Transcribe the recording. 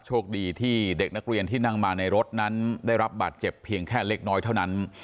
โชคดีที่เด็กนักเรียนที่นั่งมาในรถนั้นได้รับบาดเจ็บเพียงแค่เล็กน้อยเท่านั้น